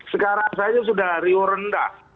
sekarang saya sudah riur rendah